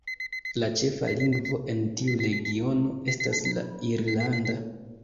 La ĉefa lingvo en tiu regiono estas la irlanda.